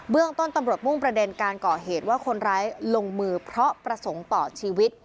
เรื่องต้นตำรวจมุ่งประเด็นการก่อเหตุว่าคนร้ายลงมือเพราะประสงค์ต่อชีวิต